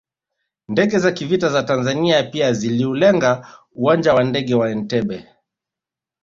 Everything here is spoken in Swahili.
Ndege za kivita za Tanzania pia ziliulenga uwanja wa ndege wa Entebbe